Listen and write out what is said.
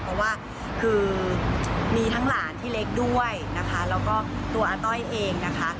เพราะว่าคือมีทั้งหลานที่เล็กด้วยนะคะแล้วก็ตัวอาต้อยเองนะคะ